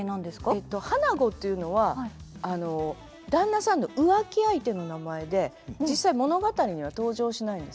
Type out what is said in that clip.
花子というのは旦那さんの浮気相手の名前で実際物語には登場しないんです。